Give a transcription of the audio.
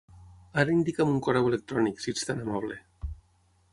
Ara indica'm un correu electrònic, si ets tan amable.